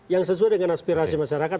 yang sesuai dengan aspirasi masyarakat